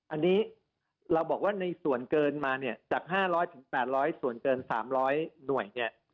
อันนี้เราบอกว่าในส่วนเกินมาจาก๕๐๐ถึง๘๐๐ส่วนเกิน๓๐๐หน่วย